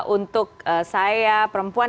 untuk saya perempuan ini